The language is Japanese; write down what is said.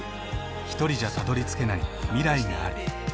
ひとりじゃたどりつけない未来がある。